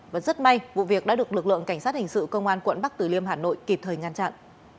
và rất may vụ việc đã được lực lượng cảnh sát hình sự công an quận bắc tử liêm hà nội kịp thời ngăn chặn